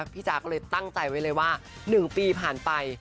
จ๊ะก็เลยตั้งใจไว้เลยว่า๑ปีผ่านไป